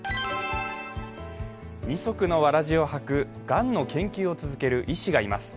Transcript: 二足のわらじを履くがんの研究を続ける医師がいます。